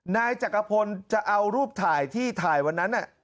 นายจักรพลจะเอารูปถ่ายที่ถ่ายวันนั้น